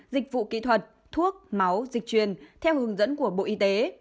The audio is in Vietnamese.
dịch vụ kỹ thuật thuốc máu dịch truyền theo hướng dẫn của bộ y tế